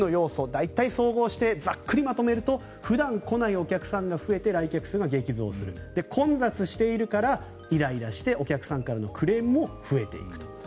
大体、総合してざっくりまとめると普段来ないお客さんが増えて来客数が激増する混雑しているからイライラしてお客さんからのクレームも増えていくと。